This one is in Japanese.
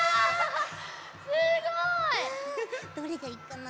すごい！どれがいいかな！